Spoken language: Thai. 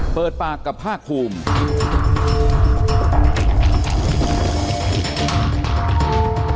เปิดปากกับภาคภูมิ